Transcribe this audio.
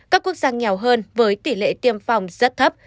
các quốc gia nghèo hơn với tỷ lệ tiêm phòng rất thấp